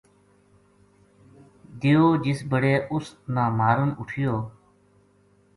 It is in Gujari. دیو جس بِڑے اُس نا مارن نا اُٹھیو